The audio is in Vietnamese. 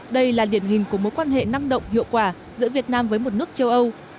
đây là điển hình của mối quan hệ năng động hiệu quả giữa việt nam với một nước châu âu